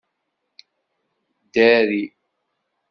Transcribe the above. Ddari!